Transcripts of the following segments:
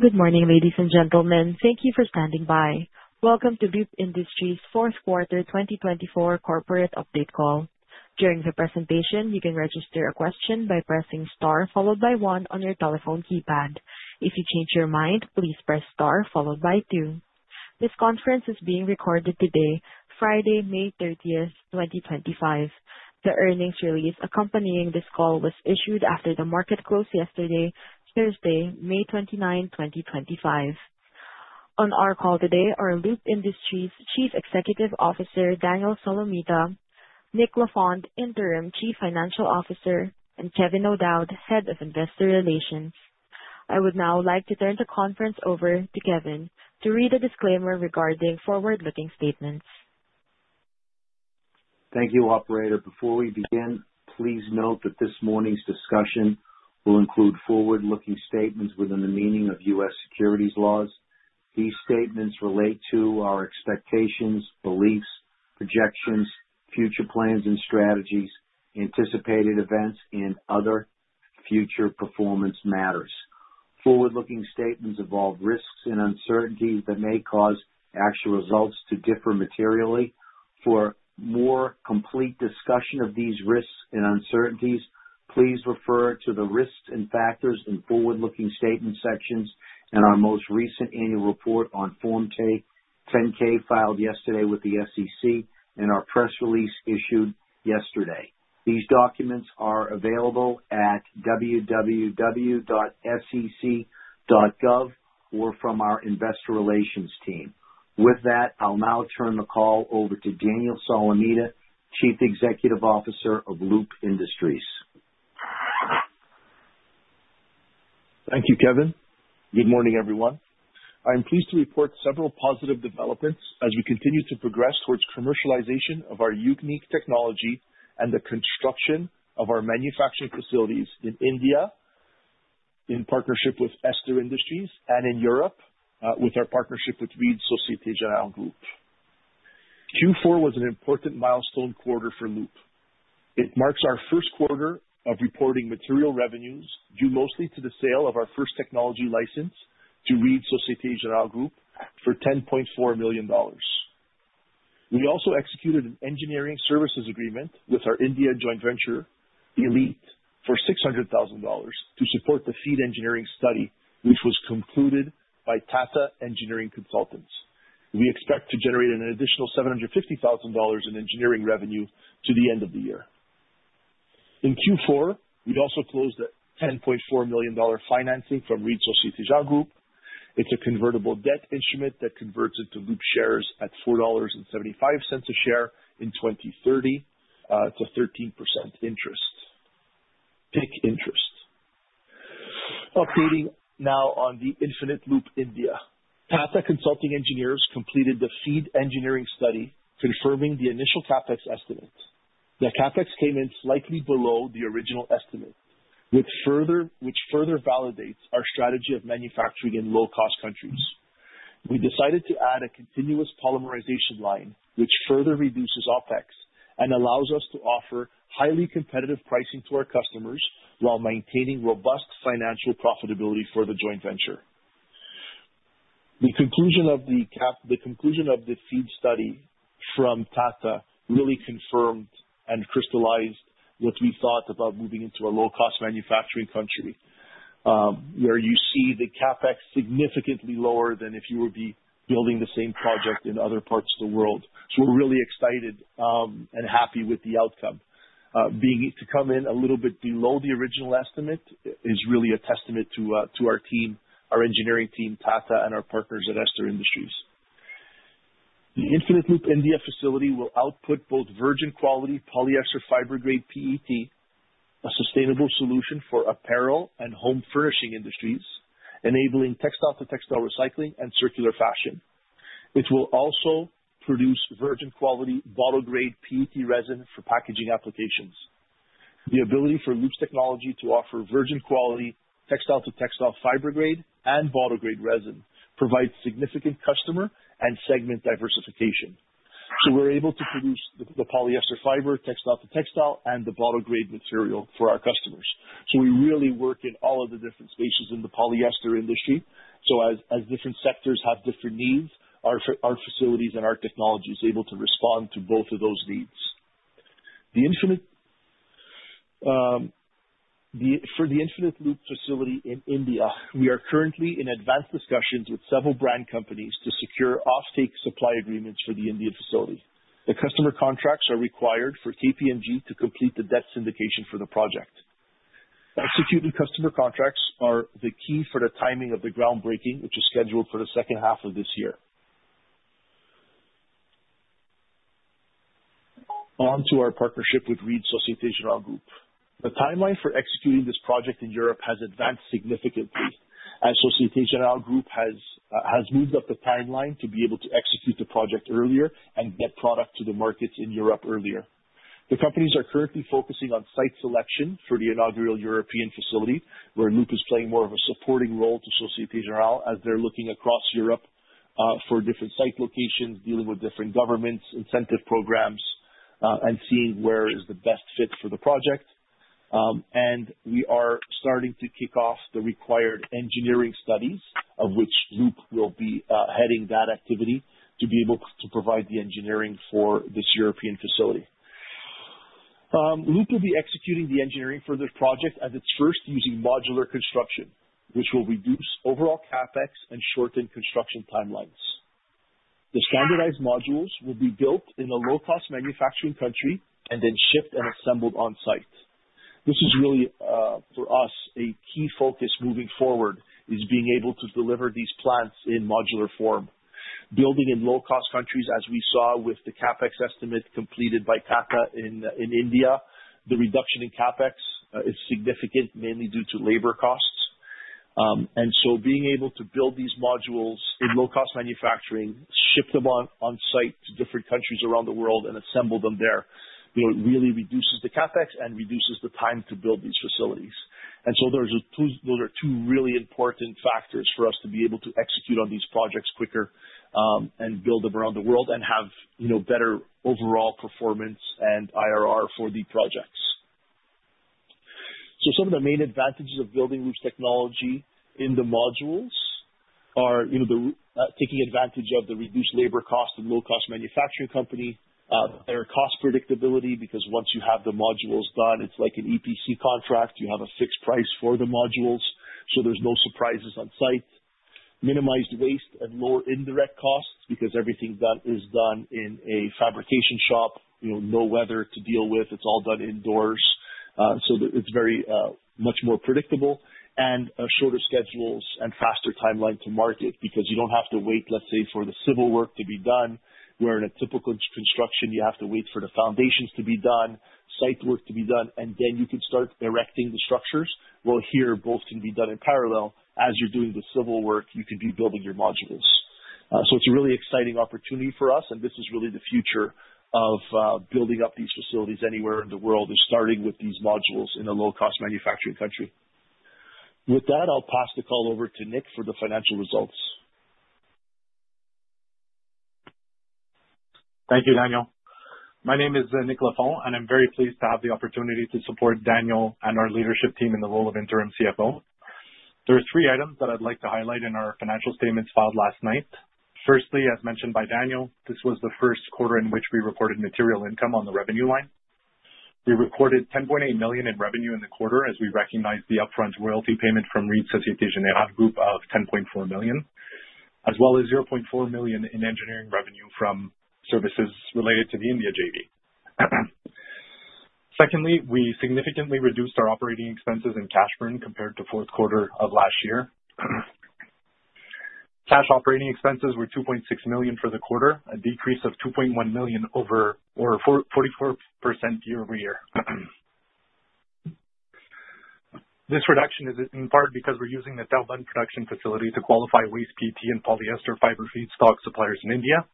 Good morning, ladies and gentlemen. Thank you for standing by. Welcome to Loop Industries' fourth quarter 2024 corporate update call. During the presentation, you can register a question by pressing star followed by one on your telephone keypad. If you change your mind, please press star followed by two. This conference is being recorded today, Friday, May 30th, 2025. The earnings release accompanying this call was issued after the market closed yesterday, Thursday, May 29th, 2025. On our call today are Loop Industries' Chief Executive Officer, Daniel Solomita, Nic Lafond, Interim Chief Financial Officer, and Kevin O'Dowd, Head of Investor Relations. I would now like to turn the conference over to Kevin to read a disclaimer regarding forward-looking statements. Thank you, Operator. Before we begin, please note that this morning's discussion will include forward-looking statements within the meaning of U.S. securities laws. These statements relate to our expectations, beliefs, projections, future plans and strategies, anticipated events, and other future performance matters. Forward-looking statements involve risks and uncertainties that may cause actual results to differ materially. For more complete discussion of these risks and uncertainties, please refer to the risks and factors in forward-looking statement sections and our most recent annual report on Form 10-K filed yesterday with the SEC and our press release issued yesterday. These documents are available at www.sec.gov or from our Investor Relations team. With that, I'll now turn the call over to Daniel Solomita, Chief Executive Officer of Loop Industries. Thank you, Kevin. Good morning, everyone. I'm pleased to report several positive developments as we continue to progress towards commercialization of our unique technology and the construction of our manufacturing facilities in India in partnership with Esther Industries and in Europe with our partnership with Reed - Societe Generale Group. Q4 was an important milestone quarter for Loop. It marks our first quarter of reporting material revenues due mostly to the sale of our first technology license to Reed - Societe Generale Group for $10.4 million. We also executed an engineering services agreement with our India joint venture, ELITe, for $600,000 to support the FEED engineering study, which was concluded by Tata Consulting Engineers. We expect to generate an additional $750,000 in engineering revenue to the end of the year. In Q4, we also closed the $10.4 million financing from Reed - Societe Generale Group. It's a convertible debt instrument that converts into Loop shares at $4.75 a share in 2030 to 13% interest. Pick interest. Updating now on the Infinite Loop India. Tata Consulting Engineers completed the FEED engineering study confirming the initial CapEx estimate. The CapEx came in slightly below the original estimate, which further validates our strategy of manufacturing in low-cost countries. We decided to add a continuous polymerization line, which further reduces OpEx and allows us to offer highly competitive pricing to our customers while maintaining robust financial profitability for the joint venture. The conclusion of the FEED study from Tata really confirmed and crystallized what we thought about moving into a low-cost manufacturing country where you see the CapEx significantly lower than if you were building the same project in other parts of the world. We are really excited and happy with the outcome. Being able to come in a little bit below the original estimate is really a testament to our team, our engineering team, Tata, and our partners at Esther Industries. The Infinite Loop India facility will output both virgin-quality polyester fiber-grade PET, a sustainable solution for apparel and home furnishing industries, enabling textile-to-textile recycling and circular fashion. It will also produce virgin-quality bottle-grade PET resin for packaging applications. The ability for Loop's technology to offer virgin-quality textile-to-textile fiber-grade and bottle-grade resin provides significant customer and segment diversification. We are able to produce the polyester fiber, textile-to-textile, and the bottle-grade material for our customers. We really work in all of the different spaces in the polyester industry. As different sectors have different needs, our facilities and our technology are able to respond to both of those needs. For the Infinite Loop facility in India, we are currently in advanced discussions with several brand companies to secure offtake supply agreements for the India facility. The customer contracts are required for KPMG to complete the debt syndication for the project. Executing customer contracts are the key for the timing of the groundbreaking, which is scheduled for the second half of this year. On to our partnership with Reed - Societe Generale Group. The timeline for executing this project in Europe has advanced significantly as Societe Generale Group has moved up the timeline to be able to execute the project earlier and get product to the markets in Europe earlier. The companies are currently focusing on site selection for the inaugural European facility, where Loop is playing more of a supporting role to Societe Generale as they're looking across Europe for different site locations, dealing with different governments, incentive programs, and seeing where is the best fit for the project. We are starting to kick off the required engineering studies, of which Loop will be heading that activity to be able to provide the engineering for this European facility. Loop will be executing the engineering for this project as its first using modular construction, which will reduce overall CapEx and shorten construction timelines. The standardized modules will be built in a low-cost manufacturing country and then shipped and assembled on-site. This is really, for us, a key focus moving forward is being able to deliver these plants in modular form. Building in low-cost countries, as we saw with the CapEx estimate completed by Tata in India, the reduction in CapEx is significant, mainly due to labor costs. Being able to build these modules in low-cost manufacturing, ship them on-site to different countries around the world, and assemble them there really reduces the CapEx and reduces the time to build these facilities. Those are two really important factors for us to be able to execute on these projects quicker and build them around the world and have better overall performance and IRR for the projects. Some of the main advantages of building Loop's technology in the modules are taking advantage of the reduced labor cost of low-cost manufacturing company, better cost predictability, because once you have the modules done, it's like an EPC contract. You have a fixed price for the modules, so there's no surprises on-site. Minimized waste and lower indirect costs because everything is done in a fabrication shop, no weather to deal with. It's all done indoors. It is much more predictable and shorter schedules and faster timeline to market because you do not have to wait, let's say, for the civil work to be done, where in a typical construction, you have to wait for the foundations to be done, site work to be done, and then you can start erecting the structures. Here, both can be done in parallel. As you are doing the civil work, you can be building your modules. It is a really exciting opportunity for us, and this is really the future of building up these facilities anywhere in the world, starting with these modules in a low-cost manufacturing country. With that, I'll pass the call over to Nic for the financial results. Thank you, Daniel. My name is Nic Lafond, and I'm very pleased to have the opportunity to support Daniel and our leadership team in the role of Interim CFO. There are three items that I'd like to highlight in our financial statements filed last night. Firstly, as mentioned by Daniel, this was the first quarter in which we reported material income on the revenue line. We recorded $10.8 million in revenue in the quarter as we recognized the upfront royalty payment from Reed - Societe Generale Group of $10.4 million, as well as $0.4 million in engineering revenue from services related to the India JV. Secondly, we significantly reduced our operating expenses and cash burn compared to the fourth quarter of last year. Cash operating expenses were $2.6 million for the quarter, a decrease of $2.1 million over 44% year-over-year. This reduction is in part because we're using the [Telbunt] production facility to qualify waste PET and polyester fiber feedstock suppliers in India.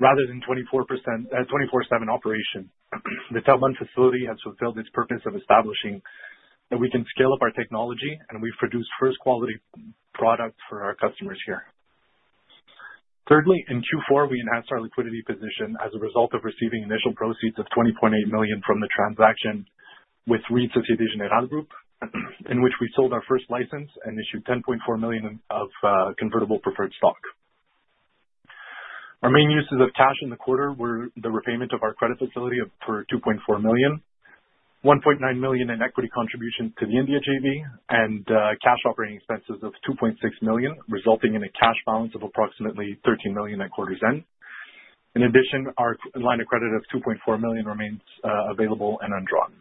Rather than 24/7 operation, the [Telbunt] facility has fulfilled its purpose of establishing that we can scale up our technology, and we've produced first-quality products for our customers here. Thirdly, in Q4, we enhanced our liquidity position as a result of receiving initial proceeds of $20.8 million from the transaction with Reed - Societe Generale Group, in which we sold our first license and issued $10.4 million of convertible preferred stock. Our main uses of cash in the quarter were the repayment of our credit facility for $2.4 million, $1.9 million in equity contributions to the India JV, and cash operating expenses of $2.6 million, resulting in a cash balance of approximately $13 million at quarter's end. In addition, our line of credit of $2.4 million remains available and undrawn.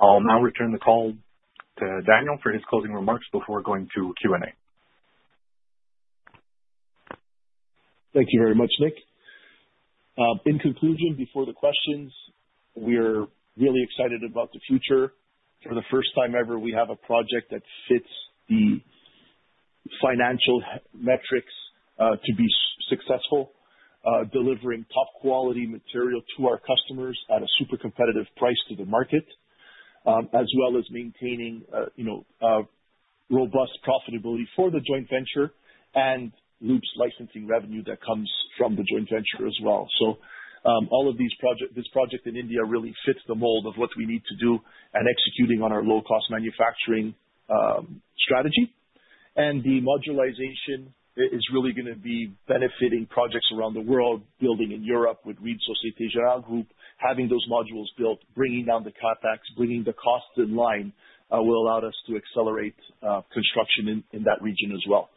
I'll now return the call to Daniel for his closing remarks before going to Q&A. Thank you very much, Nic. In conclusion, before the questions, we are really excited about the future. For the first time ever, we have a project that fits the financial metrics to be successful, delivering top-quality material to our customers at a super competitive price to the market, as well as maintaining robust profitability for the joint venture and Loop's licensing revenue that comes from the joint venture as well. All of this project in India really fits the mold of what we need to do and executing on our low-cost manufacturing strategy. The modularization is really going to be benefiting projects around the world, building in Europe with Reed - Societe Generale Group, having those modules built, bringing down the CapEx, bringing the cost in line will allow us to accelerate construction in that region as well.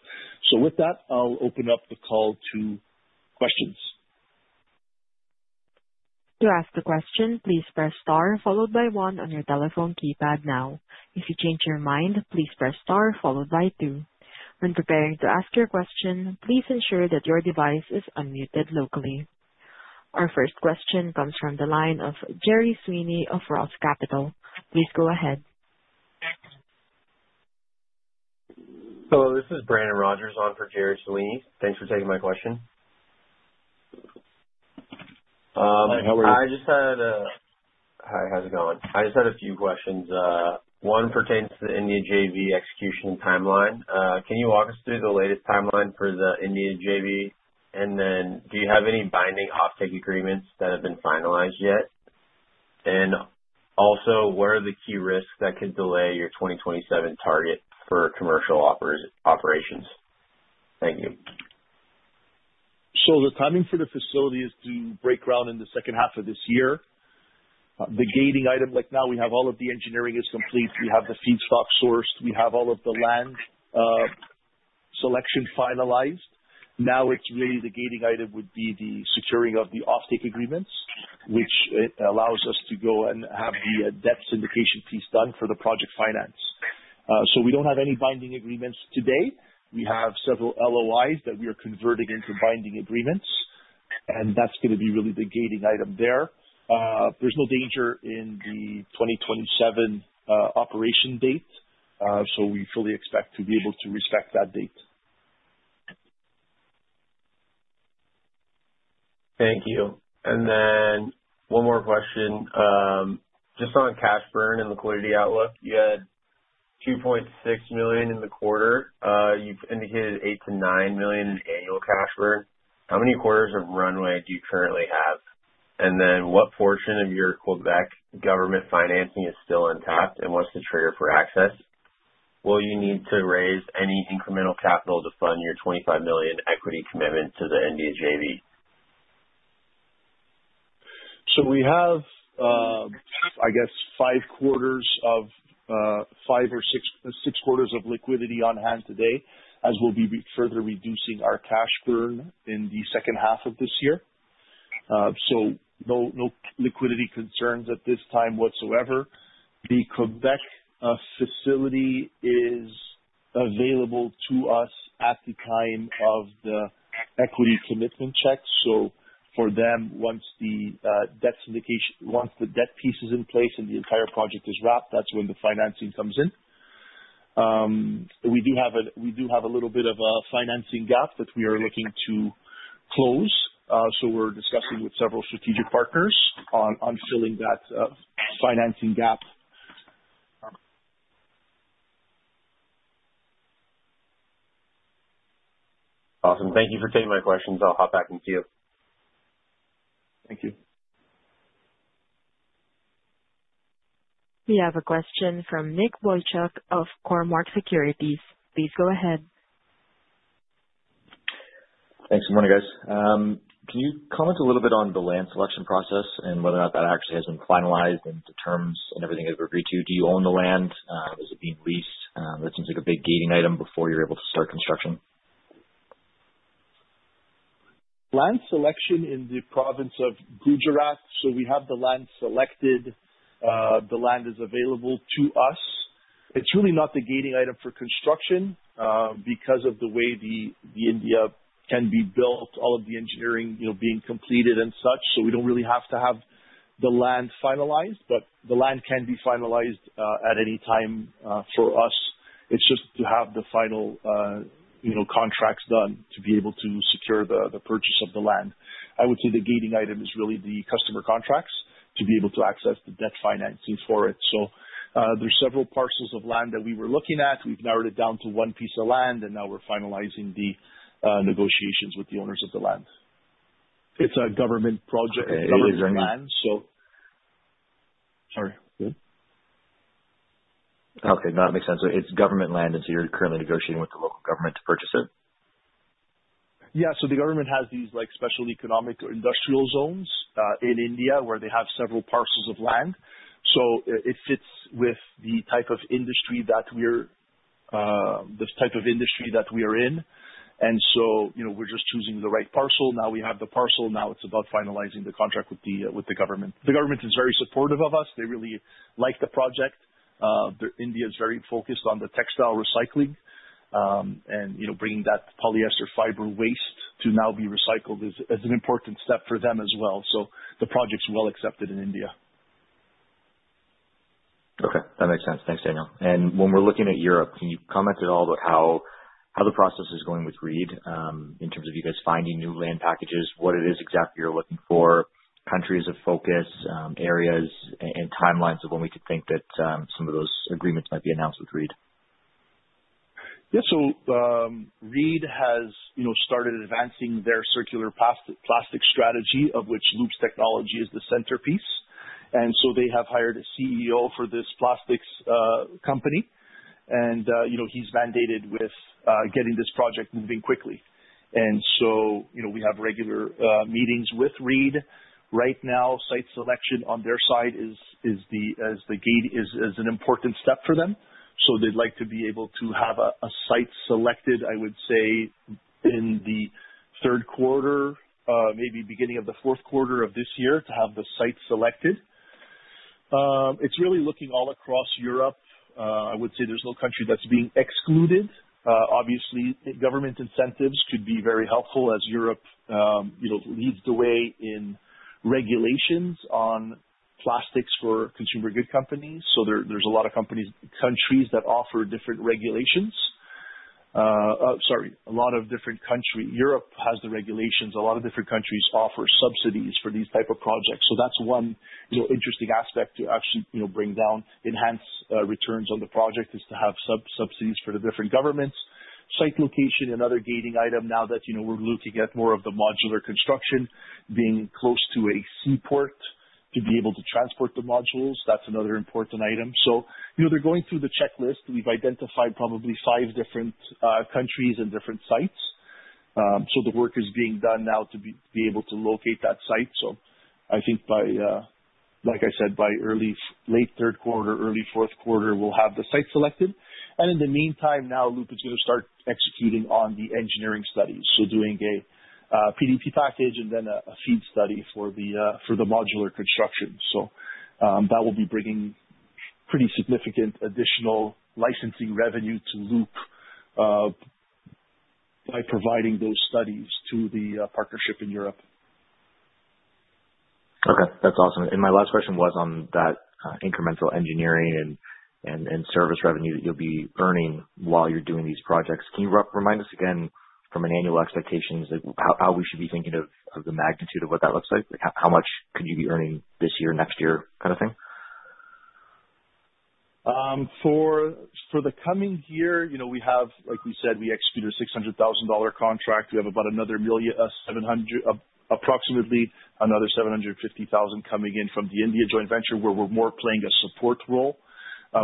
With that, I'll open up the call to questions. To ask a question, please press star followed by one on your telephone keypad now. If you change your mind, please press star followed by two. When preparing to ask your question, please ensure that your device is unmuted locally. Our first question comes from the line of Gerry Sweeney of ROTH Capital. Please go ahead. Hello, this is Brandon Rogers on for Gerry Sweeney. Thanks for taking my question. Hi, how are you? Hi, how's it going? I just had a few questions. One pertains to the India JV execution timeline. Can you walk us through the latest timeline for the India JV? Do you have any binding offtake agreements that have been finalized yet? What are the key risks that could delay your 2027 target for commercial operations? Thank you. The timing for the facility is to break ground in the second half of this year. The gating item, like now we have all of the engineering is complete. We have the feedstock sourced. We have all of the land selection finalized. Now it's really the gating item would be the securing of the offtake agreements, which allows us to go and have the debt syndication piece done for the project finance. We do not have any binding agreements today. We have several LOIs that we are converting into binding agreements, and that's going to be really the gating item there. There is no danger in the 2027 operation date, so we fully expect to be able to respect that date. Thank you. And then one more question. Just on cash burn and liquidity outlook, you had $2.6 million in the quarter. You've indicated $8 million-$9 million in annual cash burn. How many quarters of runway do you currently have? And then what portion of your Québec government financing is still untapped and what's the trigger for access? Will you need to raise any incremental capital to fund your $25 million equity commitment to the India JV? We have, I guess, five quarters or six quarters of liquidity on hand today, as we'll be further reducing our cash burn in the second half of this year. No liquidity concerns at this time whatsoever. The Québec facility is available to us at the time of the equity commitment checks. For them, once the debt piece is in place and the entire project is wrapped, that's when the financing comes in. We do have a little bit of a financing gap that we are looking to close. We're discussing with several strategic partners on filling that financing gap. Awesome. Thank you for taking my questions. I'll hop back and see you. Thank you. We have a question from Nic Boychuk of Cormark Securities. Please go ahead. Thanks. Good morning, guys. Can you comment a little bit on the land selection process and whether or not that actually has been finalized and determined and everything you've agreed to? Do you own the land? Is it being leased? That seems like a big gating item before you're able to start construction. Land selection in the province of Gujarat. We have the land selected. The land is available to us. It is really not the gating item for construction because of the way the India facility can be built, all of the engineering being completed and such. We do not really have to have the land finalized, but the land can be finalized at any time for us. It is just to have the final contracts done to be able to secure the purchase of the land. I would say the gating item is really the customer contracts to be able to access the debt financing for it. There are several parcels of land that we were looking at. We have narrowed it down to one piece of land, and now we are finalizing the negotiations with the owners of the land. It is a government project, government land. Sorry. Okay. No, that makes sense. So it's government land, and so you're currently negotiating with the local government to purchase it? Yeah. The government has these special economic or industrial zones in India where they have several parcels of land. It fits with the type of industry that we are in. We are just choosing the right parcel. Now we have the parcel. Now it is about finalizing the contract with the government. The government is very supportive of us. They really like the project. India is very focused on textile recycling and bringing that polyester fiber waste to now be recycled is an important step for them as well. The project's well accepted in India. Okay. That makes sense. Thanks, Daniel. When we're looking at Europe, can you comment at all about how the process is going with Reed in terms of you guys finding new land packages, what it is exactly you're looking for, countries of focus, areas, and timelines of when we could think that some of those agreements might be announced with Reed? Yeah. Reed has started advancing their circular plastic strategy, of which Loop's technology is the centerpiece. They have hired a CEO for this plastics company, and he's mandated with getting this project moving quickly. We have regular meetings with Reed. Right now, site selection on their side is the gate, is an important step for them. They'd like to be able to have a site selected, I would say, in the third quarter, maybe beginning of the fourth quarter of this year to have the site selected. It's really looking all across Europe. I would say there's no country that's being excluded. Obviously, government incentives could be very helpful as Europe leads the way in regulations on plastics for consumer good companies. There are a lot of countries that offer different regulations. Sorry, a lot of different countries. Europe has the regulations. A lot of different countries offer subsidies for these types of projects. That is one interesting aspect to actually bring down, enhance returns on the project is to have subsidies for the different governments. Site location and other gating item now that we are looking at more of the modular construction being close to a seaport to be able to transport the modules. That is another important item. They are going through the checklist. We have identified probably five different countries and different sites. The work is being done now to be able to locate that site. I think, like I said, by late third quarter, early fourth quarter, we will have the site selected. In the meantime, now Loop is going to start executing on the engineering studies. Doing a PDP package and then a FEED study for the modular construction. That will be bringing pretty significant additional licensing revenue to Loop by providing those studies to the partnership in Europe. Okay. That's awesome. My last question was on that incremental engineering and service revenue that you'll be earning while you're doing these projects. Can you remind us again from an annual expectation how we should be thinking of the magnitude of what that looks like? How much could you be earning this year, next year, kind of thing? For the coming year, we have, like we said, we executed a $600,000 contract. We have about another approximately another $750,000 coming in from the India joint venture where we're more playing a support role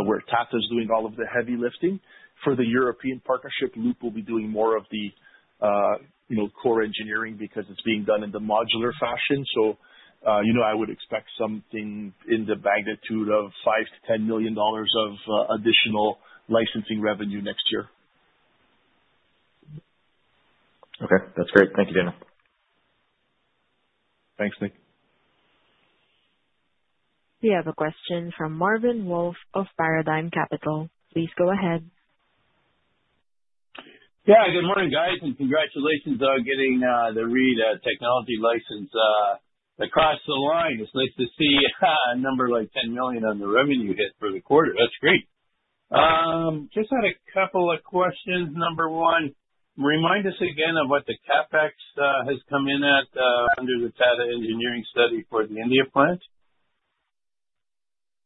where Tata is doing all of the heavy lifting. For the European partnership, Loop will be doing more of the core engineering because it's being done in the modular fashion. I would expect something in the magnitude of $5 million-$10 million of additional licensing revenue next year. Okay. That's great. Thank you, Daniel. Thanks, Nic. We have a question from Marvin Wolff of Paradigm Capital. Please go ahead. Yeah. Good morning, guys, and congratulations on getting the Reed technology license across the line. It's nice to see a number like $10 million on the revenue hit for the quarter. That's great. Just had a couple of questions. Number one, remind us again of what the CapEx has come in at under the Tata engineering study for the India plant.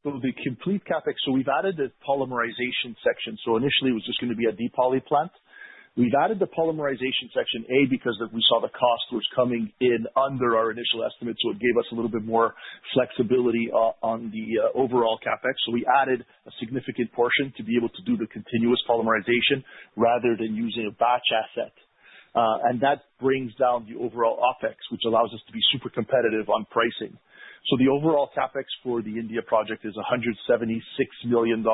The complete CapEx, so we've added the polymerization section. Initially, it was just going to be a depoly plant. We've added the polymerization section because we saw the cost was coming in under our initial estimates, so it gave us a little bit more flexibility on the overall CapEx. We added a significant portion to be able to do the continuous polymerization rather than using a batch asset. That brings down the overall OpEx, which allows us to be super competitive on pricing. The overall CapEx for the India project is $176 million.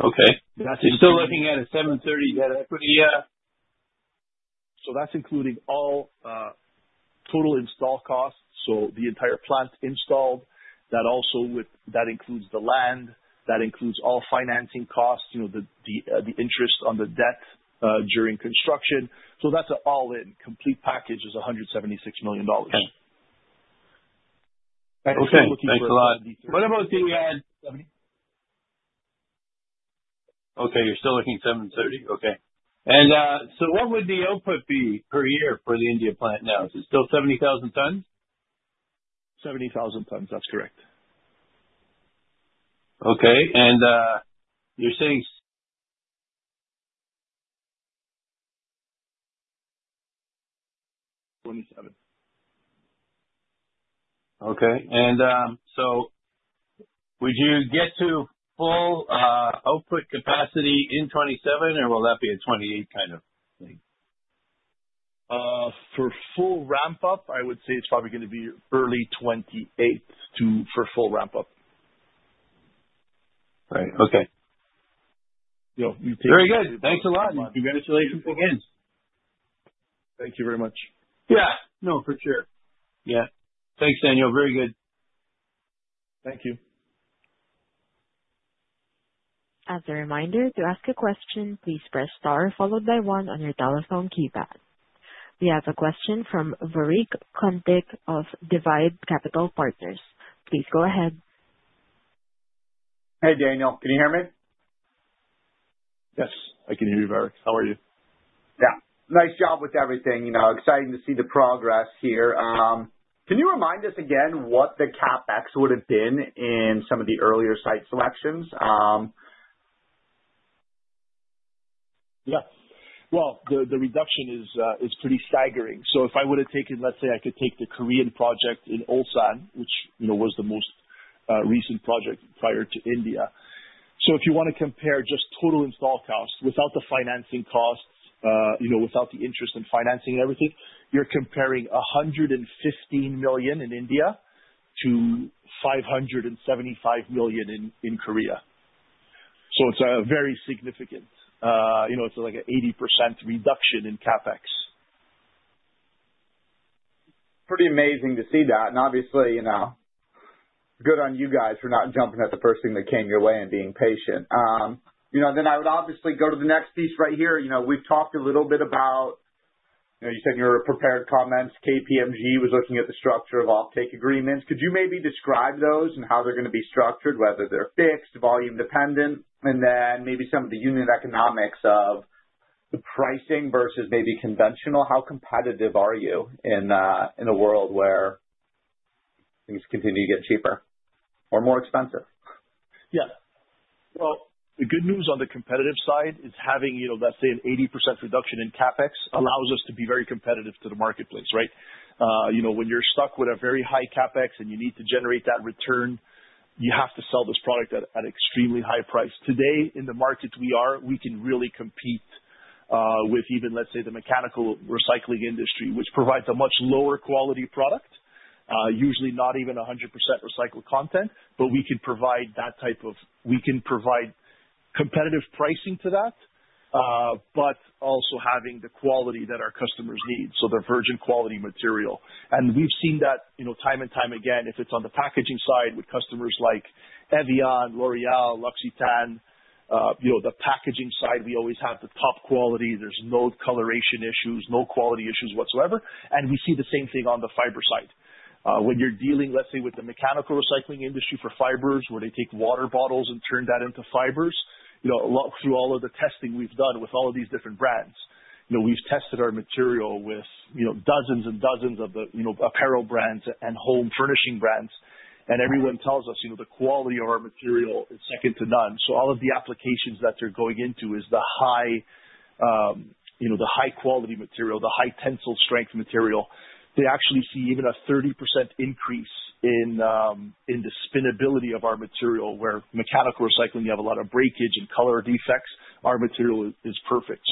Okay. You're still looking at a $730 million net equity? Yeah. So that's including all total install costs, so the entire plant installed. That includes the land. That includes all financing costs, the interest on the debt during construction. That's an all-in. Complete package is $176 million. Okay. Thanks a lot. What about the 70? Okay. You're still looking at 730. Okay. And so what would the output be per year for the India plant now? Is it still 70,000 tons? 70,000 tons. That's correct. Okay. You're saying. 27. Okay. Would you get to full output capacity in 2027, or will that be a 2028 kind of thing? For full ramp-up, I would say it's probably going to be early 2028 for full ramp-up. Right. Okay. Yeah. You take it. Very good. Thanks a lot. Congratulations again. Thank you very much. Yeah. No, for sure. Yeah. Thanks, Daniel. Very good. Thank you. As a reminder, to ask a question, please press star followed by one on your telephone keypad. We have a question from Varyk Kutnick of DIVYDE Capital Partners. Please go ahead. Hey, Daniel. Can you hear me? Yes. I can hear you, Varyk. How are you? Yeah. Nice job with everything. Exciting to see the progress here. Can you remind us again what the CapEx would have been in some of the earlier site selections? Yeah. The reduction is pretty staggering. If I would have taken, let's say I could take the Korean project in Ulsan, which was the most recent project prior to India. If you want to compare just total install costs without the financing costs, without the interest and financing and everything, you're comparing $115 million in India to $575 million in Korea. It is very significant. It's like an 80% reduction in CapEx. Pretty amazing to see that. Obviously, good on you guys for not jumping at the first thing that came your way and being patient. I would obviously go to the next piece right here. We've talked a little bit about you said in your prepared comments, KPMG was looking at the structure of offtake agreements. Could you maybe describe those and how they're going to be structured, whether they're fixed, volume-dependent, and then maybe some of the unit economics of the pricing versus maybe conventional? How competitive are you in a world where things continue to get cheaper or more expensive? Yeah. The good news on the competitive side is having, let's say, an 80% reduction in CapEx allows us to be very competitive to the marketplace, right? When you're stuck with a very high CapEx and you need to generate that return, you have to sell this product at an extremely high price. Today, in the market we are, we can really compete with even, let's say, the mechanical recycling industry, which provides a much lower quality product, usually not even 100% recycled content, but we can provide competitive pricing to that, but also having the quality that our customers need. They are virgin quality material. We've seen that time and time again. If it's on the packaging side with customers like Evian, L'Oreal, L'Occitane, the packaging side, we always have the top quality. There's no coloration issues, no quality issues whatsoever. We see the same thing on the fiber side. When you're dealing, let's say, with the mechanical recycling industry for fibers, where they take water bottles and turn that into fibers, through all of the testing we've done with all of these different brands, we've tested our material with dozens and dozens of the apparel brands and home furnishing brands. Everyone tells us the quality of our material is second to none. All of the applications that they're going into is the high-quality material, the high-tensile strength material. They actually see even a 30% increase in the spinability of our material where mechanical recycling, you have a lot of breakage and color defects. Our material is perfect.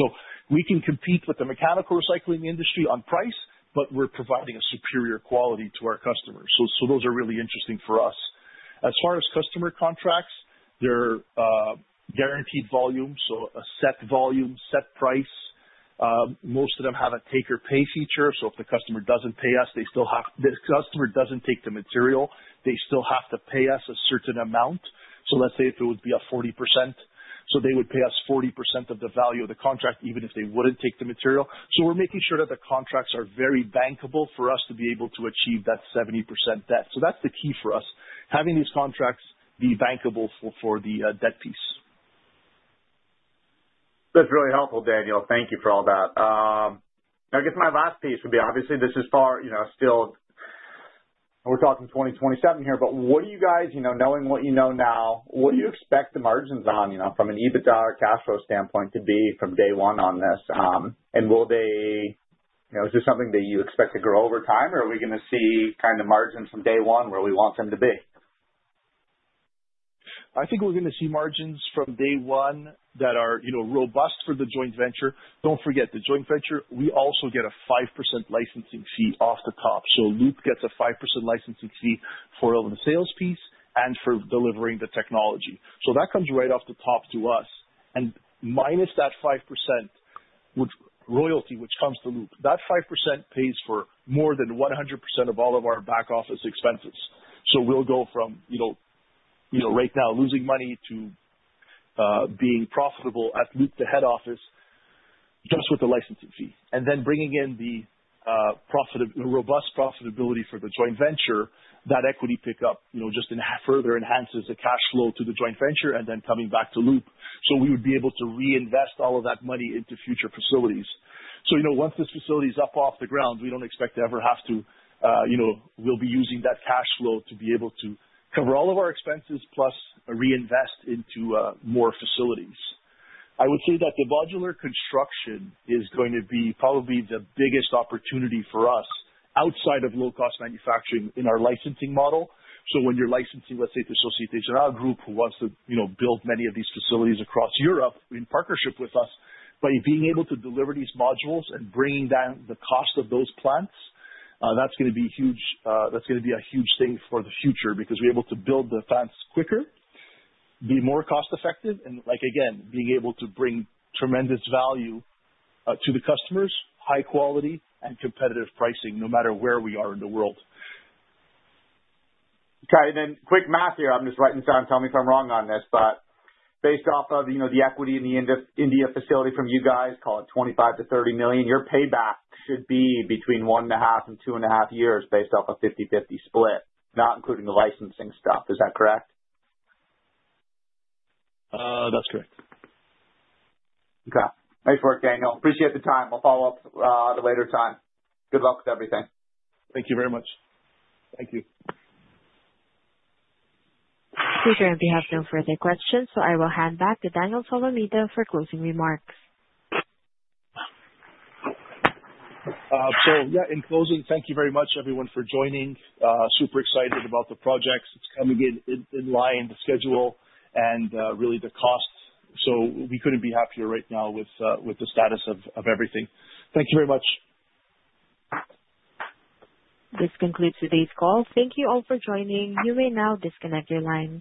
We can compete with the mechanical recycling industry on price, but we're providing a superior quality to our customers. Those are really interesting for us. As far as customer contracts, they're guaranteed volume, so a set volume, set price. Most of them have a take-or-pay feature. If the customer doesn't take the material, they still have to pay us a certain amount. Let's say if it would be 40%, they would pay us 40% of the value of the contract even if they wouldn't take the material. We're making sure that the contracts are very bankable for us to be able to achieve that 70% debt. That's the key for us, having these contracts be bankable for the debt piece. That's really helpful, Daniel. Thank you for all that. I guess my last piece would be, obviously, this is far still, we're talking 2027 here, but what do you guys, knowing what you know now, what do you expect the margins on from an EBITDA or cash flow standpoint to be from day one on this? And will they, is this something that you expect to grow over time, or are we going to see kind of margins from day one where we want them to be? I think we're going to see margins from day one that are robust for the joint venture. Don't forget, the joint venture, we also get a 5% licensing fee off the top. Loop gets a 5% licensing fee for the sales piece and for delivering the technology. That comes right off the top to us. Minus that 5% royalty, which comes to Loop, that 5% pays for more than 100% of all of our back office expenses. We will go from right now losing money to being profitable at Loop, the head office, just with the licensing fee. Bringing in the robust profitability for the joint venture, that equity pickup just further enhances the cash flow to the joint venture and then coming back to Loop. We would be able to reinvest all of that money into future facilities. Once this facility is up off the ground, we do not expect to ever have to—we will be using that cash flow to be able to cover all of our expenses plus reinvest into more facilities. I would say that the modular construction is going to be probably the biggest opportunity for us outside of low-cost manufacturing in our licensing model. When you are licensing, let's say, the Societe Generale Group, who wants to build many of these facilities across Europe in partnership with us, by being able to deliver these modules and bringing down the cost of those plants, that is going to be huge. That is going to be a huge thing for the future because we are able to build the plants quicker, be more cost-effective, and, again, being able to bring tremendous value to the customers, high quality, and competitive pricing, no matter where we are in the world. Okay. Then quick math here. I'm just writing this down. Tell me if I'm wrong on this. But based off of the equity in the India facility from you guys, call it $25 million-$30 million, your payback should be between 1.5 and 2.5 years based off a 50/50 split, not including the licensing stuff. Is that correct? That's correct. Okay. Thanks for it, Daniel. Appreciate the time. I'll follow up at a later time. Good luck with everything. Thank you very much. Thank you. Appreciate if you have no further questions. I will hand back to Daniel Solomita for closing remarks. Yeah, in closing, thank you very much, everyone, for joining. Super excited about the projects. It's coming in line to schedule and really the cost. We couldn't be happier right now with the status of everything. Thank you very much. This concludes today's call. Thank you all for joining. You may now disconnect your line.